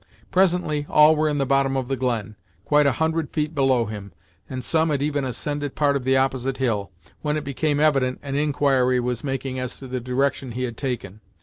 Presently all were in the bottom of the glen, quite a hundred feet below him, and some had even ascended part of the opposite hill, when it became evident an inquiry was making as to the direction he had taken.